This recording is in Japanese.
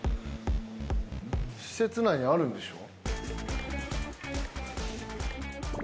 施設内にあるんでしょ？